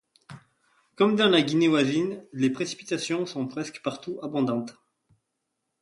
Comme dans la Guinée voisine, les précipitations sont presque partout abondantes.